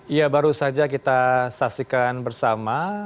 iya baru saja kita saksikan bersama